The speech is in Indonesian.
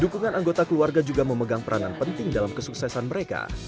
dukungan anggota keluarga juga memegang peranan penting dalam kesuksesan mereka